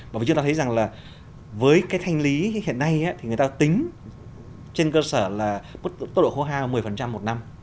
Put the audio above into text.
và vì chúng ta thấy rằng là với cái thanh lý hiện nay thì người ta tính trên cơ sở là tốc độ khô ha một mươi một năm